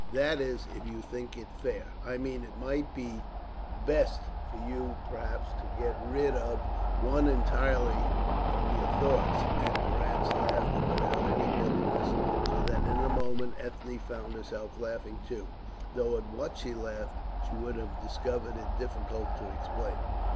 "That is, if you think it fair. I mean, it might be best for you, perhaps, to get rid of me entirely from your thoughts;" and Durrance laughed and without any bitterness, so that in a moment Ethne found herself laughing too, though at what she laughed she would have discovered it difficult to explain.